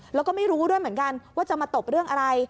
แล้วก็ไม่รู้ด้วยเหมือนกันว่าจะมาตบเรื่องอะไร